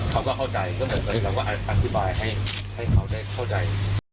เขาก็เข้าใจเราก็อธิบายให้เขาเข้าใจ